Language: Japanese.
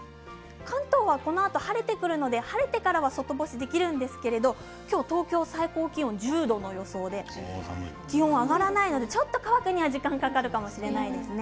関東はこのあと晴れてくるので晴れてからは外干しができるんですけれど今日、東京の最高気温は１０度の予想で気温が上がらないのでちょっと乾くのには時間がかかるかもしれないですね。